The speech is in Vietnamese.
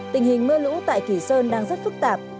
tình hình mưa lũ tại kỳ sơn đang rất phức tạp